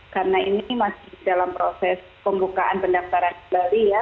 karena ini masih dalam proses pembukaan pendaftaran bali ya